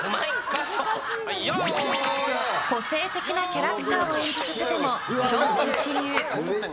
個性的なキャラクターを演じさせても超一流！